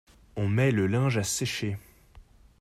On met le linge à sécher.